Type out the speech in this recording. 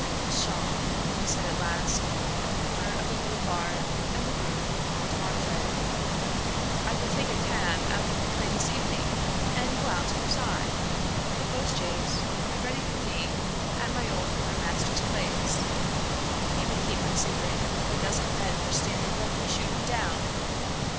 "Pshaw!" he said at last, at the corner of the Boulevard and the Rue Montmartre, "I will take a cab after the play this evening and go out to Versailles. A post chaise will be ready for me at my old quartermaster's place. He would keep my secret even if a dozen men were standing ready to shoot him down.